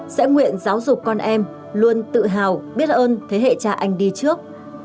sẽ nguyện giáo dục con em luôn tự hào biết ơn thế hệ cha anh đi trước